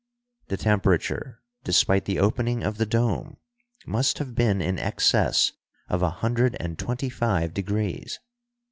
The temperature, despite the opening of the dome, must have been in excess of a hundred and twenty five degrees.